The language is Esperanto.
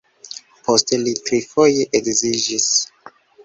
Poste li trifoje edziĝis.